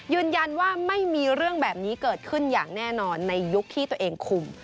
ยืนยันว่าไม่มีเรื่องแบบนี้เกิดขึ้นอย่างแน่นอนในยุคที่ตัวเองคุม